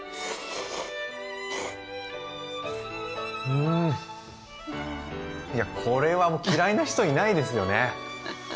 うんいやこれは嫌いな人いないですよね！